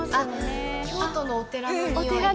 京都のお寺のにおい。